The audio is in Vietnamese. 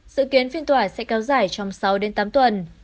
dự kiến phiên tòa sẽ cao giải trong sáu tám tuần